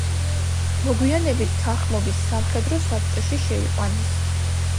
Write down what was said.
მოგვიანებით თანხმობის სამხედრო საბჭოში შეიყვანეს.